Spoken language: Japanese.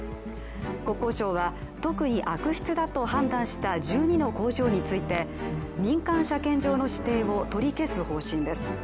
国土交通省は特に悪質だと判断した１２の工場について、民間車検場の指定を取り消す方針です。